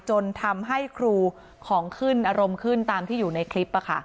จนทำให้ครูของขึ้นอารมณ์ขึ้นตามที่อยู่ในคลิป